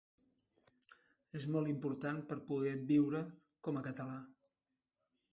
És molt important per poder viure com a català.